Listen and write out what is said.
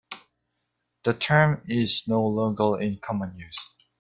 The term is no longer in common use.